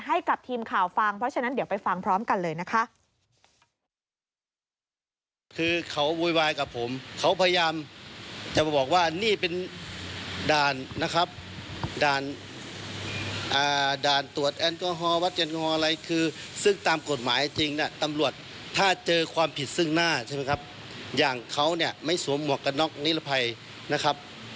ให้กับทีมข่าวฟังเพราะฉะนั้นเดี๋ยวไปฟังพร้อมกันเลยนะคะ